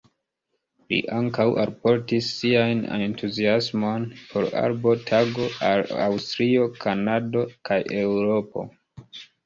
Li ankaŭ alportis sian entuziasmon por Arbo Tago al Aŭstralio, Kanado kaj Eŭropo.